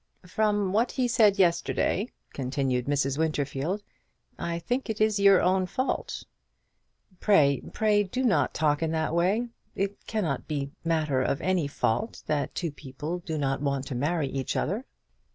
"From what he said yesterday," continued Mrs. Winterfield, "I think it is your own fault." "Pray, pray do not talk in that way. It cannot be matter of any fault that two people do not want to marry each other."